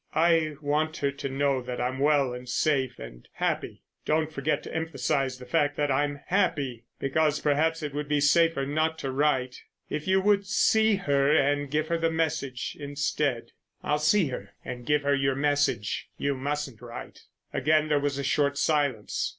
"I want her to know that I'm well and safe—and—happy. Don't forget to emphasize the fact that I'm happy—because, perhaps it would be safer not to write—if you would see her and give her the message instead." "I'll see her and give her your message. You mustn't write." Again there was a short silence.